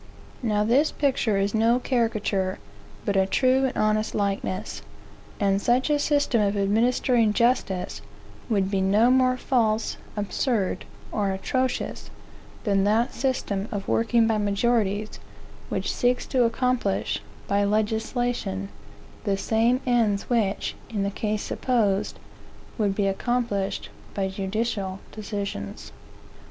Now this picture is no caricature, but a true and honest likeness. And such a system of administering justice, would be no more false, absurd, or atrocious, than that system of working by majorities, which seeks to accomplish, by legislation, the same ends which, in the case supposed, would be accomplished by judicial decisions.